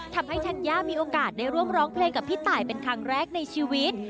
ธัญญามีโอกาสได้ร่วมร้องเพลงกับพี่ตายเป็นครั้งแรกในชีวิต